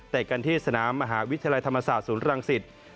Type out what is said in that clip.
กันที่สนามมหาวิทยาลัยธรรมศาสตร์ศูนย์รังสิต